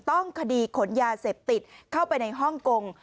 ต้องคดีขนยาเสพติดเข้าไปในฮ่องกง